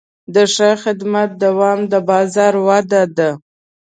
د ښه خدمت دوام د بازار وده ده.